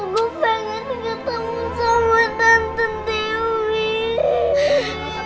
ketemu sama tante dewi